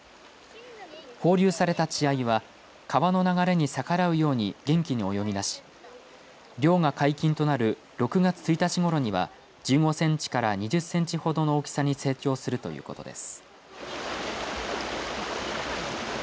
放流された稚あゆは川の流れに逆らうように元気に泳ぎだし漁が解禁となる６月１日ごろには１５センチから２０センチほどの大きさに成長するということです。